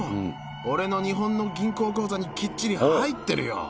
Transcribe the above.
俺の日本の銀行口座にきっちり入ってるよ。